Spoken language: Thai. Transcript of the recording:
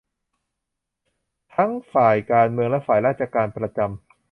ทั้งฝ่ายการเมืองและฝ่ายราชการประจำ